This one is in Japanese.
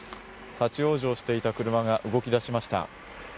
立ち往生していた車が動き出しました。